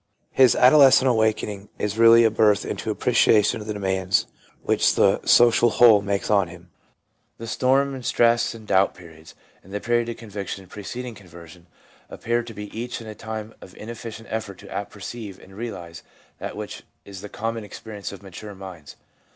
His adolescent awaken ing is really a birth into appreciation of the demands which the social whole makes on him. The storm and stress and doubt periods, and the period of ' conviction l preceding conversion, appear to be each a time of in efficient effort to apperceive and realise that which is the common experience of mature minds.